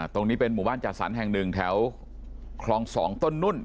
ตรงนี้เป็นหมู่บ้านจัดสรรแห่งหนึ่งแถวคลอง๒ต้นนุ่น